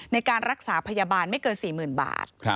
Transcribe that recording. ในการรักษาพยาบาลไม่เกิน๔๐๐๐บาท